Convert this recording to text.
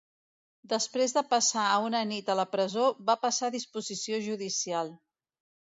Després de passar a una nit a la presó va passar a disposició judicial.